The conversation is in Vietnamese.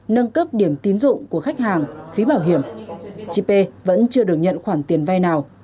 nâng cấp điểm tín dụng của khách hàng phí bảo hiểm chị p vẫn chưa được nhận khoản tiền vay nào